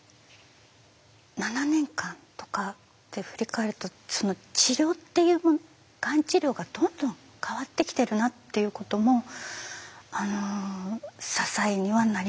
７年間とかで振り返るとその治療っていうものがん治療がどんどん変わってきてるなということも支えにはなりました。